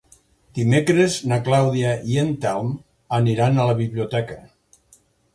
Dimecres na Clàudia i en Telm aniran a la biblioteca.